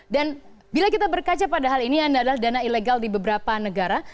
dan bila kita berkaca pada hal ini yang adalah dana ilegal di beberapa negara